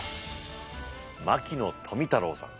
牧野富太郎さん。